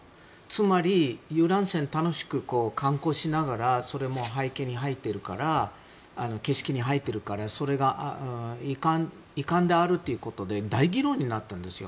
つまり、遊覧船で楽しく観光しながらそれも背景、景色に入っているからそれが遺憾であるということで大議論になったんです。